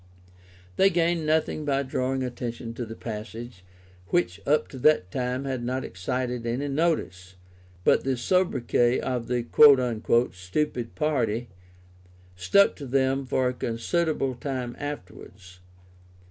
They gained nothing by drawing attention to the passage, which up to that time had not excited any notice, but the sobriquet of "the stupid party" stuck to them for a considerable time afterwards.